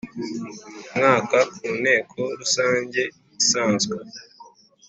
Mwaka ku nteko rusange isanzwe